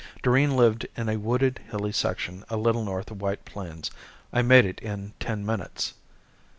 Doreen lived in a wooded, hilly section a little north of White Plains. I made it in ten minutes.